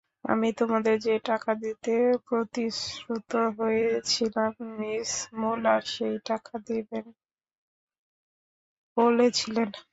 আমি তোমাদের যে টাকা দিতে প্রতিশ্রুত হয়েছিলাম, মিস মূলার সেই টাকা দেবেন বলেছিলেন।